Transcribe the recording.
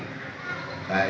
itu kan sudah terjadi